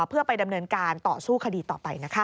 เพื่อไปดำเนินการต่อสู้คดีต่อไปนะคะ